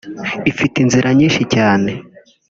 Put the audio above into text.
ifite inzira nyishi cyane